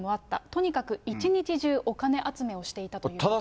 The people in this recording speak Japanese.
とにかく一日中お金集めをしていたということです。